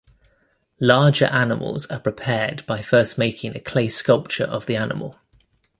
Larger animals are prepared by first making a clay sculpture of the animal.